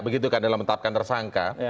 begitu kan dalam menetapkan tersangka